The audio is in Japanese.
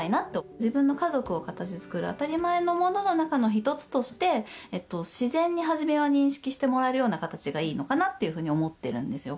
自分の家族を形づくる当たり前のものの中の一つとして、自然に初めは認識してもらえる形がいいのかなっていうふうに思っているんですよ。